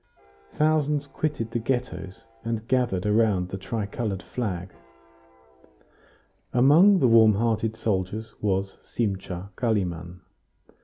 Thousands quitted the Ghettos, and gathered around the tricolored flag. Among the warm hearted soldiers was Simcha Kalimann.